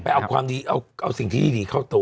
เอาความดีเอาสิ่งที่ดีเข้าตัว